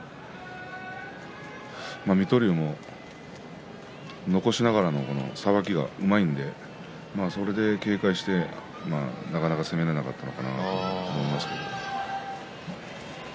水戸龍も残しながらのさばきが、うまいのでそれで警戒してなかなか攻められなかったのかなと思いますけれど。